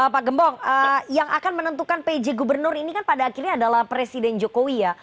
pak gembong yang akan menentukan pj gubernur ini kan pada akhirnya adalah presiden jokowi ya